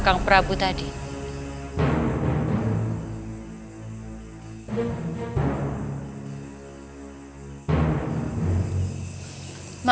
aku ingin berbicara dengan kakak